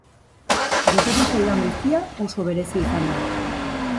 Gertatu zaidan guztia oso berezia izan da.